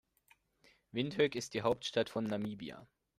Windhoek ist die Hauptstadt von Namibia.